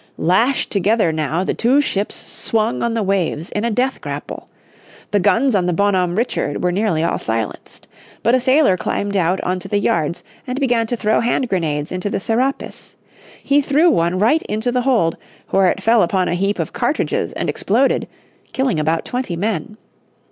Lashed together now the two ships swung on the waves in a death grapple. The guns on the Bonhomme Richard were nearly all silenced. But a sailor climbed out on to the yards, and began to throw hand grenades into the Serapis. He threw one right into the hold, where it fell upon a heap of cartridges and exploded, killing about twenty men.